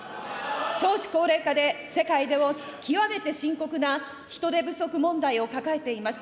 少子高齢化で世界でも極めて深刻な人手不足問題を抱えています。